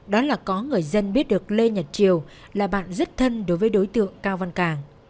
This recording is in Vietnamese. đó là có người dân biết được lê nhật triều là bạn rất thân đối với đối tượng cao văn càng